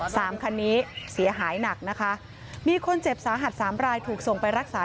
สามคันนี้เสียหายหนักนะคะมีคนเจ็บสาหัสสามรายถูกส่งไปรักษา